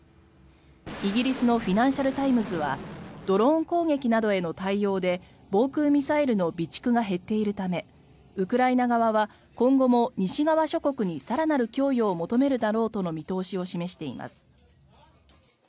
イギリスのフィナンシャル・タイムズはドローン攻撃などへの対応で防空ミサイルの備蓄が減っているためウクライナ側は今後も西側諸国に更なる供与を求めるだろうという見通しを示しています。